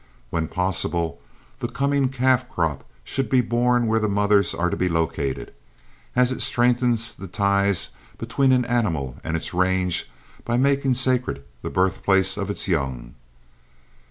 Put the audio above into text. When possible, the coming calf crop should be born where the mothers are to be located, as it strengthens the ties between an animal and its range by making sacred the birthplace of its young.